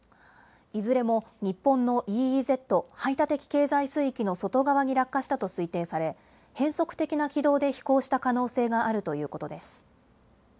いずれも日本のＥＥＺ・排他的経済水域の外側に落下したと推定され変則的な軌道で飛行した可能性があるということです。